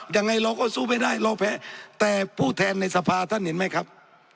ยังไงเราก็สู้ไม่ได้เราแพ้แต่ผู้แทนในสภาท่านเห็นไหมครับ